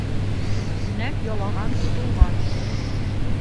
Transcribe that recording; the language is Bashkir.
Күнәк ялаған тотолған.